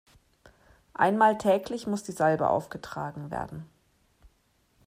Einmal täglich muss die Salbe aufgetragen werden.